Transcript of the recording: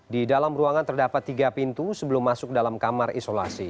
di dalam ruangan terdapat tiga pintu sebelum masuk dalam kamar isolasi